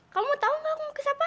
kamu tau gak aku ngukis apa